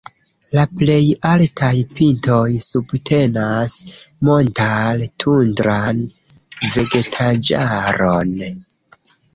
La plej altaj pintoj subtenas montar-tundran vegetaĵaron.